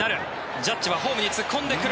ジャッジはホームに突っ込んでくる。